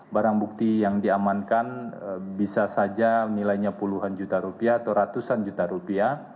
barang bukti yang diamankan bisa saja nilainya puluhan juta rupiah atau ratusan juta rupiah